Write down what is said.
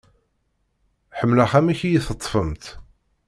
Ḥemmleɣ amek i yi-teṭfemt.